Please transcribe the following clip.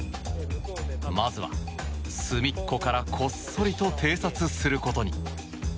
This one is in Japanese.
まずは隅っこからこっそりと偵察することに。